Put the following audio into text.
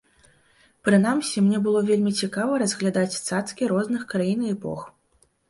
Прынамсі мне было вельмі цікава разглядаць цацкі розных краін і эпох.